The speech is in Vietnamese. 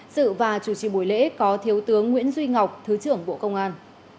sự và chủ trì buổi lễ có thiếu tướng nguyễn duy ngọc thứ trưởng bộ công an